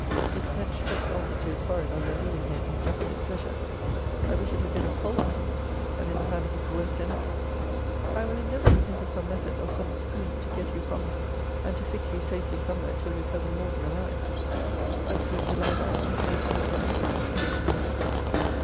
His clenched fist offered to his forehead on your leaving him in just displeasure I wish it had been a pole axe, and in the hand of his worst enemy. I will endeavour to think of some method, of some scheme, to get you from him, and to fix you safely somewhere till your cousin Morden arrives A scheme to lie by you, and to be pursued as occasion may be given.